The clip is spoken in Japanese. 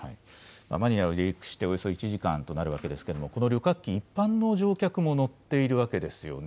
マニラを離陸しておよそ１時間となるわけですけれどこの旅客機、一般の乗客も乗っているわけですよね。